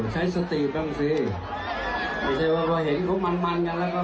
ใช้สติบ้างสิไม่ใช่ว่าพอเห็นเขามันกันแล้วก็